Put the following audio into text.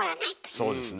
そうですね。